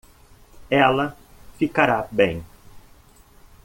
Ela ficará bem.